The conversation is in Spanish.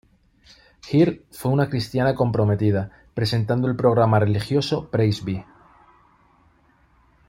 Hird fue una cristiana comprometida, presentando el programa religioso "Praise Be!